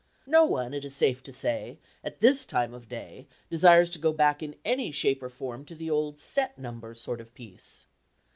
No one, it is safe to say, at this time of day desires to go back in any shape or form to the old "set number" sort of piece.